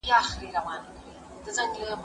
کېدای سي ليکلي پاڼي ګډ وي!.